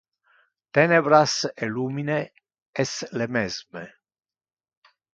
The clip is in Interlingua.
Tenebras e lumine es le mesme.